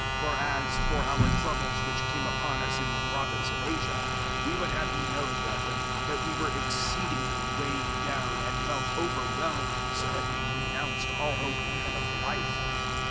001:008 For as for our troubles which came upon us in the province of Asia, we would have you know, brethren, that we were exceedingly weighed down, and felt overwhelmed, so that we renounced all hope even of life.